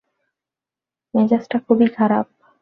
মেজাজটা খুবই খারাপ।